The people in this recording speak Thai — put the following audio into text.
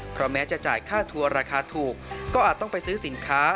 เพราะแม้จะจ่ายค่าทัวร์ราคาถูกก็อาจต้องไปซื้อสินค้า